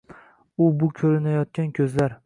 U bu ko’rinayotgan ko’zlar.